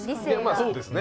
そうですね。